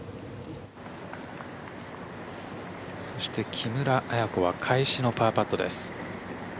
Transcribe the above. そして、木村彩子は返しのパーパットです。